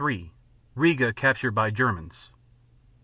3 Riga captured by Germans.